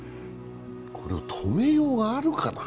これを止めようがあるかな。